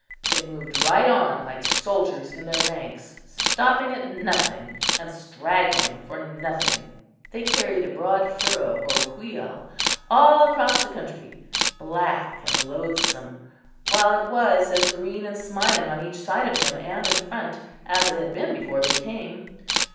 They moved right on like soldiers in their ranks, stopping at nothing, and straggling for nothing: they carried a broad furrow or wheal all across the country, black and loathsome, while it was as green and smiling on each side of them and in front, as it had been before they came.